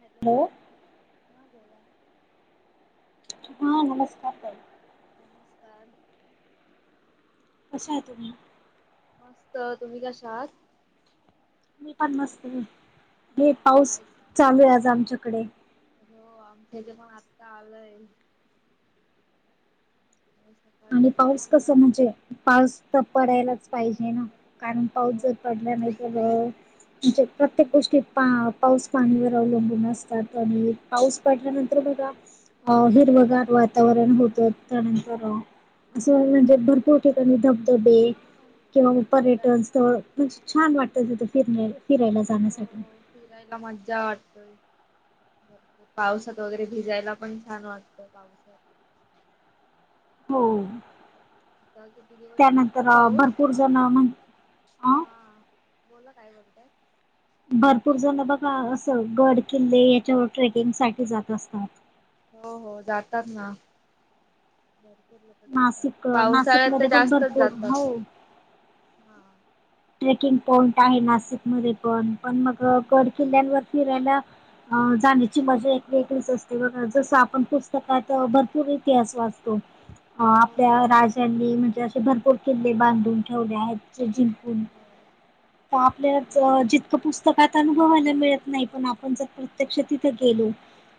Hello, हां बोला. हां, नमस्कार. ताई नमस्कार. कशा आहे तुम्ही? मस्त! तुम्ही कशा आहात? मी पण मस्तं. हे पाऊस कायच चालू आहे, आज आमच्याकडे. हो, आमच्या इथे पण आता आलंय. हो आणि सकाळपासून पाऊस नव्हता कसं म्हणजे असा पाऊस तर पडायलाच पाहिजे ना, कारण पाऊस हो जर पडला नाही तर ब म्हणजे प्रत्येक गोष्टी पा पाऊस पाणीवर अवलंबून असतात आणि पाऊस पडल्यानंतर बघा, अ हिरवगार वातावरण होतं त्यानंतर असं म्हणजे भरपूर ठिकाणी धबधबे हा किंवा आणि फिराय पर्यटन स्थळ म्हणजे छान वाटतं तिथं, फिरणे फिरायला जाण्यासाठी. हो फिरायला, मज्जा वाटतंय. भरपूर पावसात वगैरे, भिजायला पण छान वाटतं पावसात. हो. आ किती दिवस नव्हता त्यानंतर पाऊस? भरपूर ह जण म्हण अ हा. बोला, काय बोलताय? भरपूर जण बघा असं गड, किल्ले याच्यावर ट्रेकिंग साठी जात असतात. हो, हो जातात ना. भरपूर लोकं जातात. नाशिक पावसाळ्यात तर, नाशिकमध्ये पण जास्तंच भरपूर जातात. हो ट्रेकिंग पॉइंट आहे, नाशिक मध्ये पण. पण मग गड, किल्ल्यांवर फिरायला अ जाण्याची मजा एक वेगळीच असते बघा जसं आपण हो पुस्तकात भरपूर इतिहास वाच तो अ आपल्या तेच ना राजांनी म्हणजे असे भरपूर किल्ले, बांधून ठेवले आहेत जिंकून हो हो, तेच तेच आपल्यालाच जितकं पुस्तकात अनु भवायला मिळत नाही. पण आपण जर, प्रत्यक्ष तिथं गेलो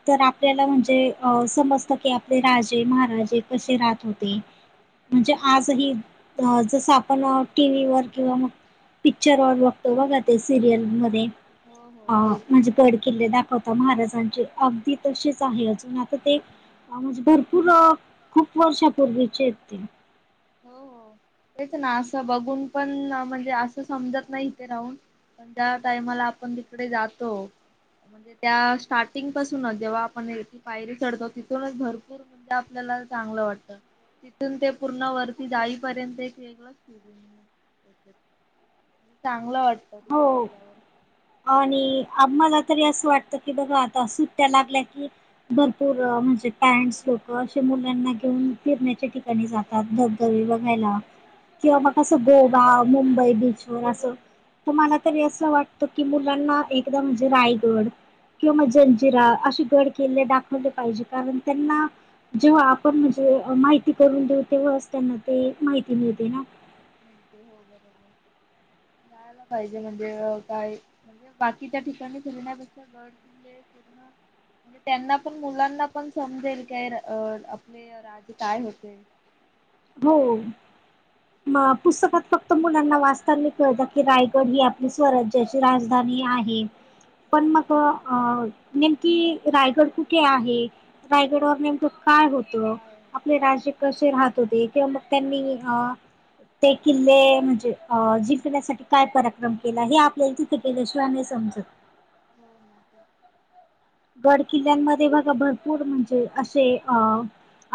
तर आपल्याला हो म्हणजे अ समजतं की, आपले राजे महाराजे कसे राहत होते? म्हणजे आजही जस आपण टी व्ही वर किंवा मग पिक्चर व बघतो बघा ते सिरियल मध्ये, हो अ हो तेच म्हणजे पड किल्ले दाख कथा महाराजांचे अगदी तसेच आहे, अजून आता ते हा म्हणजे भरपूर खूप वर्षापूर्वीचे आहेत ते हो, हो तेच ना असं बघून पण म्हणजे असं समजत नाही इथे राहून पण त्या टाइमाला आपण तिकडे जातो म्हणजे त्या स्टार्टिंग पासूनच जेव्हा आपणी पायरी चढतो तिथूनच भरपूर म्हणजे आपल्याला चागलं वाटत, तिथून ते पूर्ण वर जाईपर्यंत एक वेगळच फीलिंग होतं तेच्यात, चांगलं वाटतं हो तिकडे गेल्यावर आणि आम्हाला तरी असं वाटतं की बाबा आता सुट्ट्या लागल्या की भरपूर म्हणजे पँट, सौटर घेऊन असे मुलांना घेऊन फिरण्याच्या ठिक जातात धब, धबे हो हो बघायला किंवा मग असं गोवा, मुंबई बीचवर असं मला तरी असं वाटतं की मुलांना एकदा म्हणजे रायगड किंवा हो जंजिरा अशी गड किल्ले दाखवले पाहिजे हो कारण त्येना जेव्हा आपण म्हणजे माहिती करून देऊ तेव्हाच त्यांना ते माहिती मिळते ना [unintelligible] जायला पाहिजे म्हणजे काय म्हणजे बाकीच्या ठिकाणी फिरण्या गड किल्ले फिरण म्हणजे त्यांना पण मुलांना पण समजेल काय अं आपले राज काय होते. हो म पुस्तकात फक्त मुलांना वाचतानी कळतं की रायगड ही आपली स्वराज्याची राजधानी आहे. पण हो मग हो अ नेमकी रायगड कुठे आहे रायगडवर नेमकं काय होतं, काय आपले होते राजे कसे राहत होते तेव्हा मग त्यांनी अ ते किल्ले म्हणजे जिंकण्यासाठी काय पराक्रम केला हे आपल्याला [unintelligible] नाही समजत हो ना [unintelligible] गड किल्ल्यांमध्ये बघा भरपूर म्हणजे अशे अ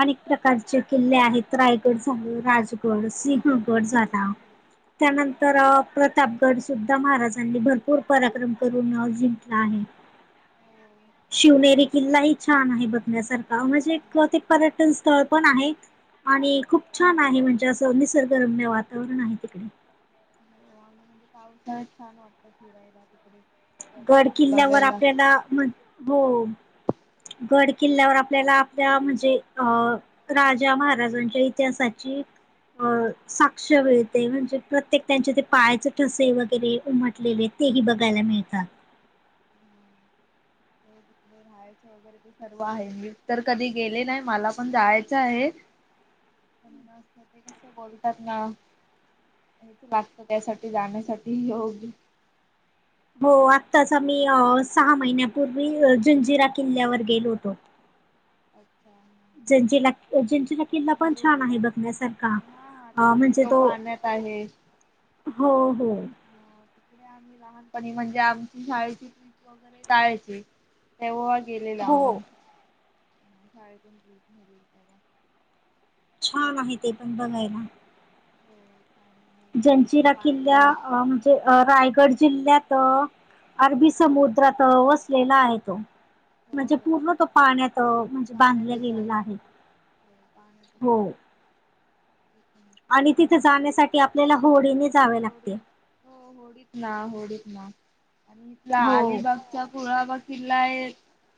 अनेक प्रकारचे किल्ले आहेत, रायगड झाले राजगड सि गड पण झाला, हो त्यानंतर प्रतापगड सुद्धा महाराज त्यांनी भरपूर पराक्रम करून नाव जिंकला आहे. हो शिवनेरी किल्लाही छान आहे बघण्यासारखा, छान म्हणजे आहे ते पर्यटन स्थळ पण आहे आणि खूप छान आहे म्हणजे असं निसर्गरम्य वातावरण आहे तिकडे हो आणि म्हणजे पाऊसाळ्यात छान वाटतं फिरायला तिकडे गड किल्ले किल्ल्यावर बघायला आपल्याला म्ह हो गड किल्ल्यावर आपल्याला आपल्या म्हणजे अ राजा महाराजांच्या इतिहासाची अ साक्ष मिळते म्हणजे प्रत्येक त्यांचे ते पायाचे ठसे वगैरे उमटलेले तेही बघायला मिळतात. हे तिकडे रायच वगैरे ते सर्व आहे मी तर कधी गेले नाही मला पण जायचं आहे पण श्रोते कसं बोलतात ना [unintelligible] त्यासाठी जाण्यासाठी योग हो आत्ताच आम्ही सहा महिन्यापूर्वी जंजिरा किल्ल्यावर गेलो होतो. [unintelligible] [unintelligible] किल्ला पण छान आहे मुरुडला बघण्यासारखा हा हा अ तिकडे म्हणजे तो पाण्यात आहे हो हो. हो तिकडे आम्ही लहानपणी म्हणजे आमची शाळेची ट्रिप वगैरे जायची. तेव्हा गेलेला हो आम्ही. शाळेतून ट्रिप नेलेली तेव्हा. छान आहे ते पण बघायला. हो छान आहे. जंजिरा किल्ल्या म्हणजे रायगड जिल्ह्यात अरबी समुद्रात वसलेला आहे तो. हो म्हणजे हो पूर्ण तो पाण्यात म्हणजे बांधल्या गेलेला आहे. हो पाण्यातच हो. [unintelligible] आणि तिथे जाण्यासाठी आपल्याला होडीने जावे होडी, लागते. हो होडीत ना. होडीत ना. आणि इथला हो अलिबागचा पुळाबाग किल्ला आहे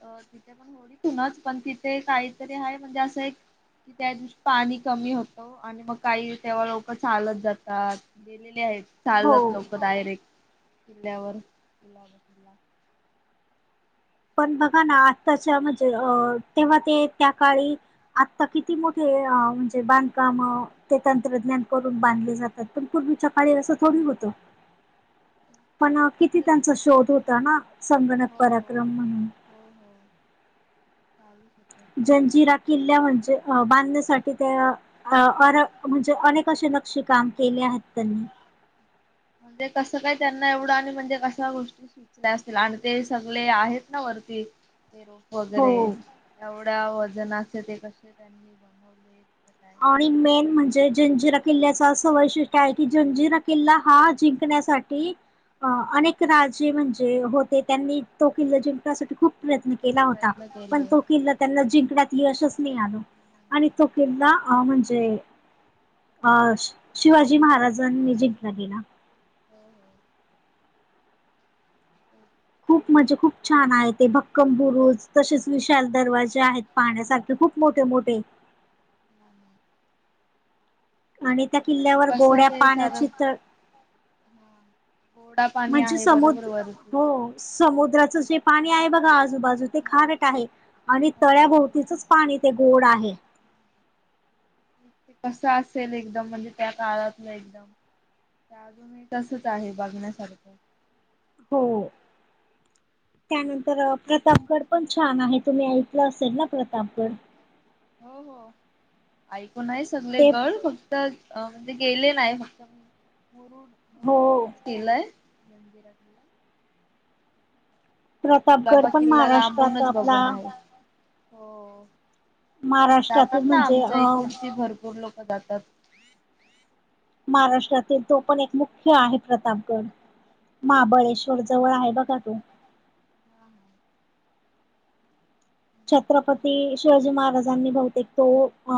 अ तिथे पण होडीतूनच पण, तिथे काहीतरी आहे म्हणजे असं एक की त्या दिवशी पाणी कमी होतं आणि मग काही तेव्हा लोक चालत जातात. गेलेले आहेत. चालत हो लोक डायरेक्ट किल्ल्यावर कुलाबा किल्ला. पण बघा ना, आत्ताच्या म्हणजे अ तेव्हा ते त्या काळी आत्ता किती मोठे म्हणजे बांधकाम ते तंत्रज्ञान करून बांधले जातात, पण पूर्वीच्या काळी असं थोडी होत. पण किती त्यांचा शोध होता ना. संगणक हो हो पराक्रम म्हणून हो हो, चालूच होतं. जंजिरा किल्ल्या म्हणजे अ बांधण्यासाठी त्या अ म्हणजे अनेक असे नक्षी काम केले आहेत त्यांनी. म्हणजे कसं काय त्यांना एवढं आणि म्हणजे कशा गोष्टी सुचल्या असतील आणि ते सगळे आहेत ना वरती ते रोप वगैरे हो एवढ्या वजनचे ते कसे त्यांनी बनवले. आणि मेन म्हणजे जंजिर किल्ल्याचा असं वैशिष्ट्य आहे की, जंजिरा किल्ला हा जिंकण्यासाठी अनेक राजे म्हणजे होते, त्यांनी तो किल्ला जिंकण्यासाठी खूप प्रयत्न के ला होता, प्रयत्न केले. पण तो हा. किल्ला त्यांना जिंकण्यात यशच नाही आल आणि तो किल्ला अ म्हणजे अ शिवाजी महाराजांनी जिंकला गेला. हो हो [unintelligible] खूप मजे खूप छान आहे ते. भक्कम बुरुज तसेच विशाल दरवाजे आहेत. पाहण्यासारखे खूप मोठे मोठे. हा हं. आणि त्या त्यांनी किल्ल्यावर कस गोड्या ते सार पाण्याची तळ ह गोडा पाणी म्हणजे आहे बरोबर समुद्र वरती. हो समुद्राचं जे पाणी आहे बघा, आजूबाजू ते हा खारट आहे आणि हो आणि तळ्याभोवतीचच पाणी ते गोड आहे. ते कसं असेल एकदम म्हणजे त्या काळातलं एकदम. त्या अजूनही तसच आहे बघण्यासारखं. हो. त्यानंतर प्रतापगड पण छान आहे. तुम्ही ऐकलं असेल ना प्रतापगड? हो हो, ऐकून आहे सगळे ते गड फ क्त म्हणजे गेले नाही. फक्त म मुरुड हो मुरुडच तिलाय. प्रतापगड कुलाबा पण किल्लाला महाराष्ट्रात आपूणच आपला बघून आहे. हो महाराष्ट्रातील जातात ना, म्हणजे आमच्या अ इकूडची भरपूर लोकं जातात. महाराष्ट्रातील तो पण एक मुख्य आहे प्रतापगड. हा महाबळेश्वर जवळ आहे बघा तो. हा हा. जातात ना छत्रपती बरोबर शिवाजी महाराज. बांधणी बहुतेक तो अ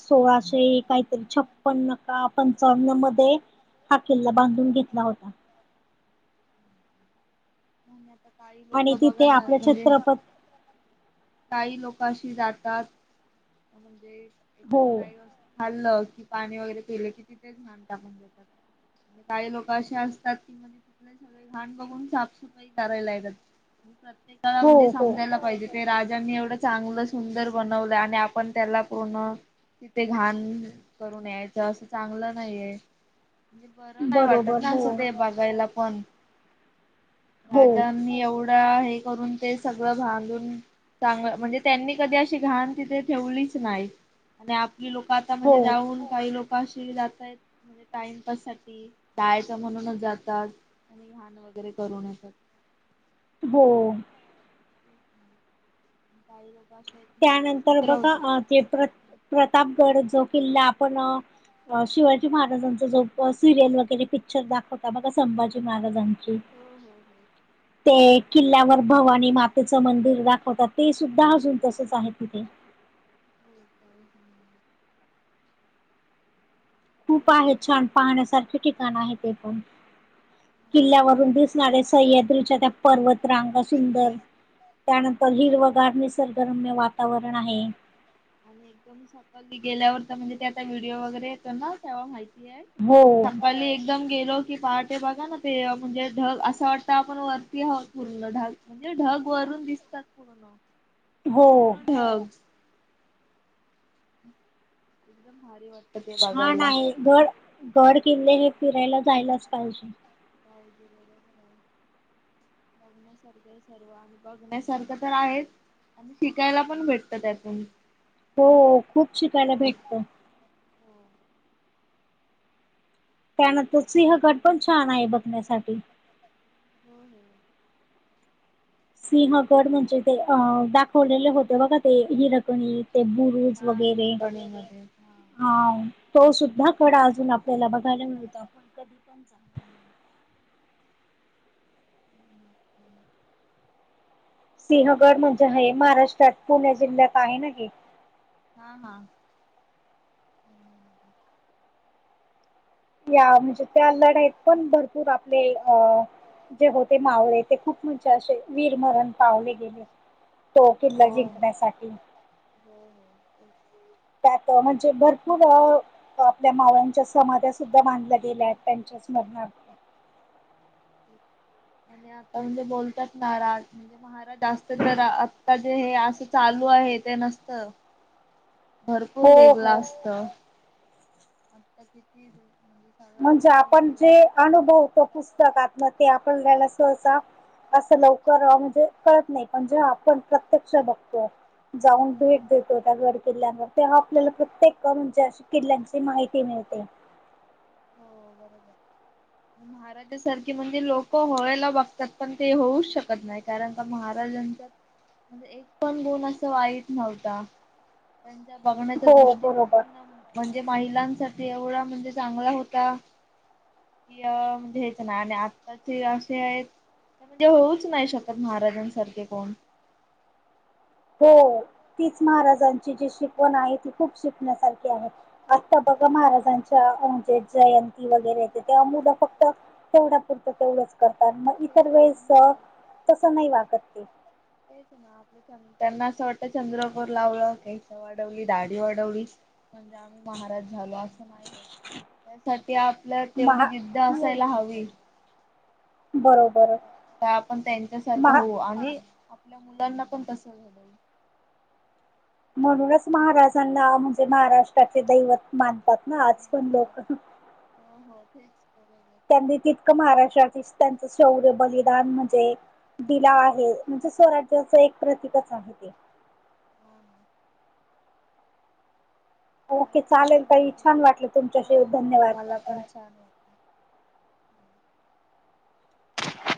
सोळाशे काहीतरी छप्पन का पंचावन्न मध्ये हा किल्ला बांधून घेतला होता. नाही आता काही लोक आणि बघा तिथे ना आपल्या म्हणजे छत्रपत काही लोकाशी जातात म्हणजे हो एखादी काही वस् खाल्लं की पाणी वगैरे पिल की तिथेच घान टाकून देतात. काही लोक अशे असतात की म्हणजे तिथले सगळे घाण बघून साफ सुफ. [unintelligible] प्रत्येकाला हो म्हणजे हो समजायला पाहिजे. ते राजांनी एवढं चांगलं सुंदर बनवलं आणि आपण त्याला पूर्ण तिथे घाण करून यायचं असं चांगलं नाहीये. म्हणजे बरं नाही वाटत बरोबर ना हो असं ते बघायला पण. हो राजांनी एवढा हे करून ते सगळं भांदुन चांगलं म्हणजे त्यांनी कधी अशी घाण तिथे ठेवलीच नाही आणि आपली लोकं हो म्हणजे ज्याहून काही लोक काशीला जातायत म्हणजे टाइमपास साठी जायाचं म्हणूनच जातात आणि घाण वगैरे करून येतात. हो. [inaudible] काही लोकं असे आहेत. म्हणजे ती त्यानंतर बघा सुधरवतात. अ ते प्रत प्रतापगड जो किल्ला आपण अ शिवाजी महाराजांचं जो सिरियल वगैरे पिक्चर दाखवता बघा संभाजी महाराजांची. हो हो हो. ते किल्ल्यावर भवानी मातेचं मंदिर दाखवतात, ते सुद्धा अजून तसच आहे तिथे. [unintelligible] खूप तेच आहेत छान. पाहण्यासारखे ठिकाणं आहेत ते पण ना. किल्ल्यावरून दि स्याद त्या पर्वत रांगा सुंदर त्यानंतर हिरव हो गार निसर्ग. तरतरम्य वातावरण आहे. आणि एकदम सकलती गेल्यावर तर म्हणजे ते आता व्हिडिओ वगैरे येतो ना तेव्हा माहिती येस हो थकवली. एकदम गेलो की, पहाटे बघा ना ते अ म्हणजे ढग असं वाटत, आपण वरती आहोत पूर्ण. ढग म्हणजे ढग वरून दिसतात पूर्ण. हो पूर्ण ढग. एकदम भारी वाट छान आहे. गड- गड किल्ले हे फिरायला जायलाच पाहिजे. काय ते बरोबर आहे बघण्यासारखेच. सर्व आणि बघण्यासारखं तर आहेच आणि शिकायला पण भेटतं त्यातून. हो खूप शिकायला हो भेटत. हो प्यान तो सिंहगड पण छान आहे बघण्यासाठी. हो हो. सिंहगड म्हणजे ते अ दाखवलेले होते बघा ते हिरकणी ते बुरुज हा वगैरे हिरकणीमध्ये ह हा तो सुद्धा कडा अजून आपल्याला बघायला मिळतो. कधी पण जा हम्म [inaudible] सिंहगड म्हणजे हे महाराष्ट्रात पुणे जिल्ह्यात आहे ना हे हा हा या म्हणजे त्या लढाईत पण भरपूर आपले अ जे होते मावळे ते खूप म्हणजे असे वीरमरण पावले गेले. तो हो किल्ला जिंकण्यासाठी. हो हो तेच त्यात म्हणजे भरपूर आपल्या माव्यांच्या समाध्या सुद्धा बांधल्या गेल्या त्यांच्या स्मरणार्थ [inaudible] आता म्हणजे बोलतात राज म्हणजे महाराज असते तर आता जे हे असं चालू आहे ते नसतं भरपूर हो वेगळा हो असत आता किती म्हणजे सगळ्या म्हणजे गोष्टी आपण जे हो अनुभवतो पुस्तकात ते आपल्याला सहसा असं लवकर म्हणजे कळतं नाही म्हणजे आपण प्रत्यक्ष बघतोय. जाऊन भेट ना देतोत गडकिल्ल्यांवर तेव्हा आपल्याला प्रत्येक म्हणजे अशी किल्यांची माहिती मिळते. हो बरोबर महाराष्ट्र महाराज सारखी म्हणजे लोक व्हायला बघतात पण ते होऊच शकत नाही कारण का महाराजां म्हणजे एक पण गुण असं वाईट नव्हता. त्यां बघण्याचा हो दृष्टिकोन बरोबर पण म्हणजे महिलांसाठी एवढा म्हणजे चांगला होता. का कि म्हणजे हेच ना आणि आताचे असे आहेत त्या म्हणजे होऊच नाही शकत महाराजांसारखे कोण हो तीच महाराजांची जी शिकवण आहे ती खूप शिकण्यासारखी आहे. आता बघा हो महाराजांच्या जे जयंती वगैरे य तेव्हा मुलं फक्त तेवढा पुरतं तेवढंच करतात मग तेच इतर वेळेस हो. तसं नाही वागत ते. तेच ना आपलं च त्यांना असं वाटतं चंद्रकोर लावलं का मिशी वाढवली दाडी वाढवली म्हणजे आम्ही महाराज झालो असं नाही होतं. त्यासाठी आपल्या तेवढी महा जिद्द हो असायला हवी. बरोबर तर आपण त्यांच्यासारखं महा होऊ आणि आपल्या मुलांना पण तसं घडवू. म्हणूनच महाराजांना म्हणजे महाराष्ट्राचे दैवत मानतात ना आज पण लोक. हो हो तेच बरोबर. त्यांनी तितकं महाराष्ट्रात त्यांचं शौर्य बलिदान म्हणजे दिला आहे म्हणजे स्वराज्याचं एक प्रतीिकच आहे ते हा हा ओके चालेल छान ताई वाटलं छान हो तुमच्याशी हो धन्यवाद मला पण छान वाटलं. चीर